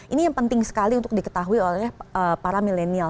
ini yang penting sekali untuk diketahui oleh para milenial